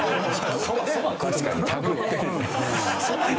確かに手繰って確かに。